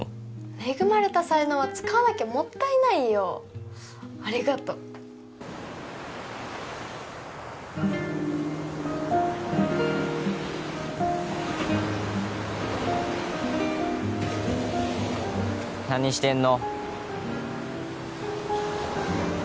恵まれた才能は使わなきゃもったいないよありがとう何してんの？